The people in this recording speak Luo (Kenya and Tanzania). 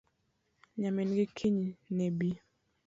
Nyamingi kiny nebii